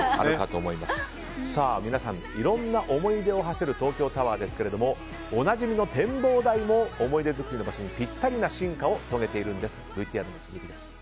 皆さんいろんな思い出をはせる東京タワーですがおなじみの展望台も思い出作りにぴったりな場所に進化を遂げているんです。